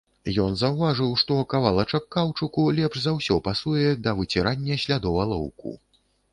Ён заўважыў, што кавалачак каўчуку лепш за ўсё пасуе да выцірання слядоў алоўку.